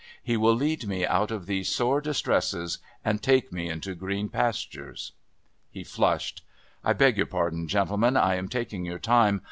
He will lead me out of these sore distresses and take me into green pastures " He flushed. "I beg your pardon, gentlemen. I am taking your time.